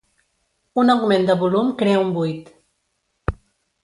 Un augment de volum crea un Buit.